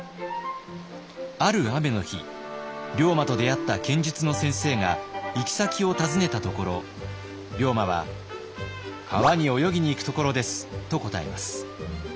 ある雨の日龍馬と出会った剣術の先生が行き先を尋ねたところ龍馬は「川に泳ぎに行くところです」と答えます。